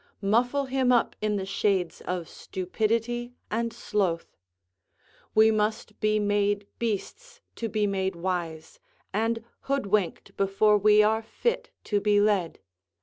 Muffle him up in the shades of stupidity and sloth. We must be made beasts to be made wise, and hoodwinked before we are fit to be led.